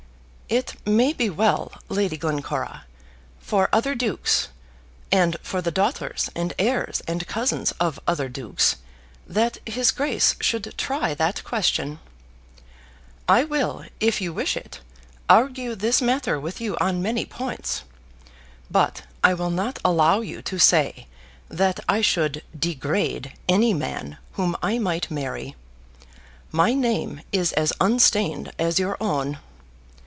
"It may be well, Lady Glencora, for other dukes, and for the daughters and heirs and cousins of other dukes, that his Grace should try that question. I will, if you wish it, argue this matter with you on many points, but I will not allow you to say that I should degrade any man whom I might marry. My name is as unstained as your own."